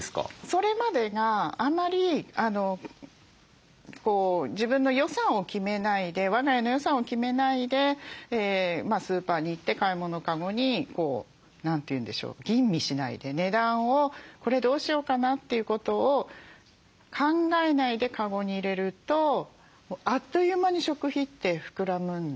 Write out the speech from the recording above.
それまでがあまり自分の予算を決めないで我が家の予算を決めないでスーパーに行って買い物カゴに何て言うんでしょう吟味しないで値段をこれどうしようかなということを考えないでカゴに入れるとあっという間に食費って膨らむんですね。